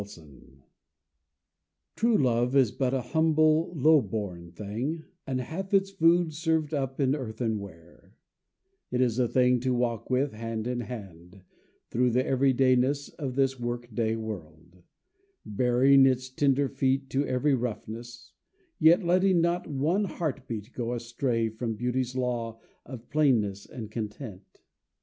LOVE. True Love is but a humble, low born thing, And hath its food served up in earthen ware; It is a thing to walk with, hand in hand, Through the everydayness of this work day world, Baring its tender feet to every roughness, Yet letting not one heart beat go astray From Beauty's law of plainness and content.